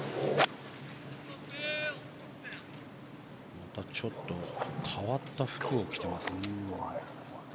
またちょっと変わった服を着てますね。